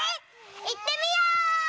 いってみよう！